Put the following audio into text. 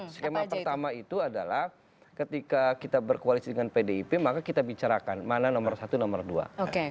skema pertama itu adalah ketika kita berkoalisi dengan pdip maka kita bicarakan mana nomor satu nomor dua